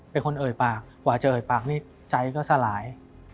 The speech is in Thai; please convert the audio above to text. เอ่ยปากกว่าจะเอ่ยปากนี่ใจก็สลาย